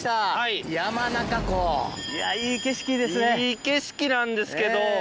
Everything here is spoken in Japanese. いい景色なんですけど。